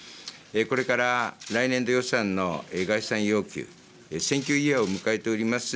これから来年度予算の概算要求、選挙イヤーを迎えております